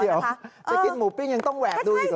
จะกินหมูปิ้งยังต้องแวกดูอีกหรอ